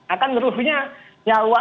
akan meruhinya nyawa